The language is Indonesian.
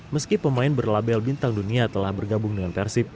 meski pemain berlabel bintang dunia telah bergabung dengan persib